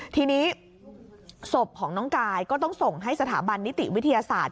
ทีนี้ศพของน้องกายก็ต้องส่งให้สถาบันนิติวิทยาศาสตร์